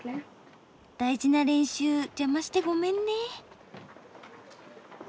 大事な練習邪魔してごめんね。